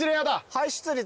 排出率。